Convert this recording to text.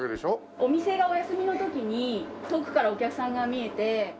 お店がお休みの時に遠くからお客さんがみえて。